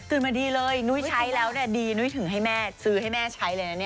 ตื่นมาดีเลยนุ้ยใช้แล้วดีนุ้ยถึงให้แม่ซื้อให้แม่ใช้เลยนะเนี่ย